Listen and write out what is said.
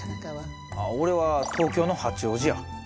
俺は東京の八王子や。